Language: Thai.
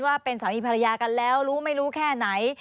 ว่าเป็นสามีภรรยากันแล้วรู้ไม่รู้แค่ไหน